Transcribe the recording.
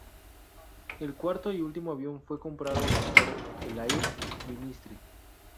El cuarto y último avión fue comprado por el Air Ministry.